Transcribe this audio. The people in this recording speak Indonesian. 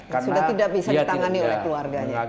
karena dia tidak bisa ditangani oleh keluarganya